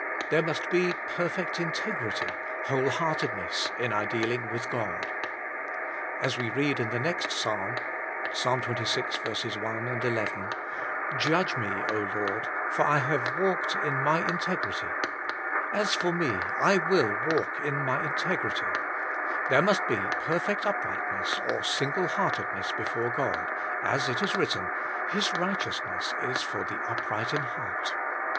There must be perfect integrity, whole heartedness, in our dealing with God. As we read in the next Psalm (xxvi. 1, 11), * Judge me, Lord, for I have walked in mine integrity,* *As for me, I will walk in my integrity,' there must be perfect uprightness or single heartedness before God, as it is written, * His righteousness is for the upright in heart.'